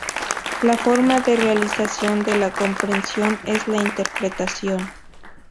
La forma de realización de la comprensión es la interpretación.